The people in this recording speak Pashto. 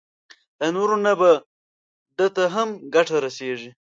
له نورو نه به ده ته هم ګټه رسېږي.